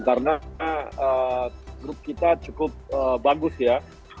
karena grup kita cukup bagus ya